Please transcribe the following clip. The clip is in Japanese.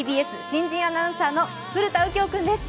ＴＢＳ新人アナウンサーの古田敬郷君です。